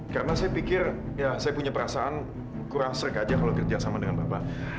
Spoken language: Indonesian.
karena saya pikir ya saya punya perasaan kurang serg aja kalau kerja sama dengan bapak